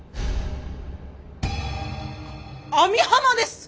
網浜です！